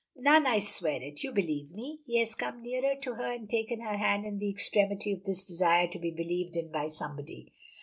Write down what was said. "None. I swear it! You believe me!" He has come nearer to her and taken her hand in the extremity of this desire to be believed in by somebody.